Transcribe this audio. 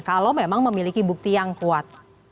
kalau memang memiliki bukti yang kuat